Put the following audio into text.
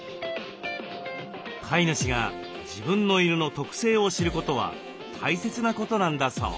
飼い主が自分の犬の特性を知ることは大切なことなんだそう。